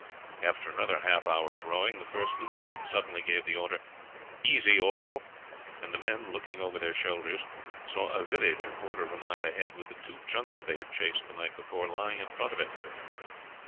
After another half hour's rowing the first lieutenant suddenly gave the order "Easy all," and the men, looking over their shoulders, saw a village a quarter of a mile ahead, with the two junks they had chased the night before lying in front of it.